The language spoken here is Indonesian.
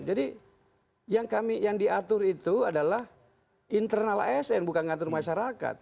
jadi yang diatur itu adalah internal asn bukan ngatur masyarakat